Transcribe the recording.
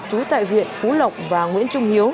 chú tại huyện phú lộc và nguyễn trung hiếu